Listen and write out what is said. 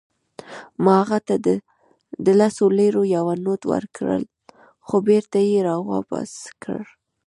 ما هغه ته د لسو لیرو یو نوټ ورکړ، خو بیرته يې راواپس کړ.